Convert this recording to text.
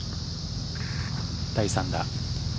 第３打。